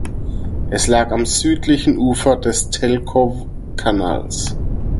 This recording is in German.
Es lag am südlichen Ufer des Teltowkanals.